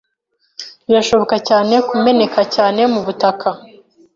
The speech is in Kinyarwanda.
Birashoboka cyane kumeneka cyane mubutaka